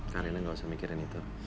karena gak usah mikirin itu